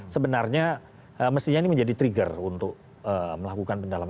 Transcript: sebenarnya mestinya ini menjadi trigger untuk melakukan pendalaman